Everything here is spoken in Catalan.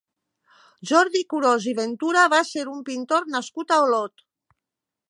Jordi Curós i Ventura va ser un pintor nascut a Olot.